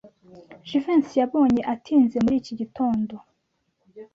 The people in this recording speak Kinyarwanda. Jivency yabonye atinze muri iki gitondo.